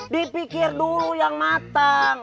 dipikir dulu yang matang